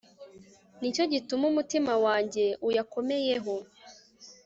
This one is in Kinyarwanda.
ni cyo gituma umutima wanjye uyakomeyeho